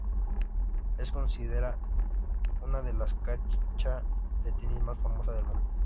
Se considera una de las cancha de tenis más famoso del mundo.